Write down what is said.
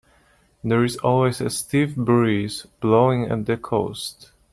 There's always a stiff breeze blowing at the coast.